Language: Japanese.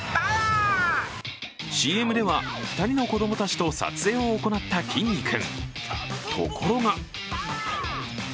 ＣＭでは、２人の子供たちと撮影を行ったきんに君。